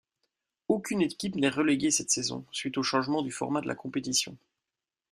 Aucune équipe n'est reléguée cette saison, suite au changement du format de la compétition.